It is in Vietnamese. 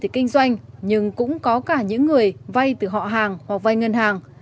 để kinh doanh nhưng cũng có cả những người vay từ họ hàng hoặc vay ngân hàng